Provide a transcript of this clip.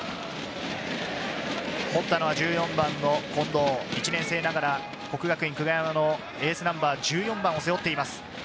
取ったのは１４番の近藤、１年生ながら國學院久我山のエースナンバー・１４番を背負っています。